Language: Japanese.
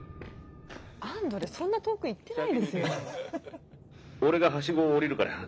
アンドレそんな遠く行ってないですよ。